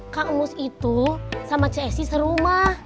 kak emus itu sama ceh esi serumah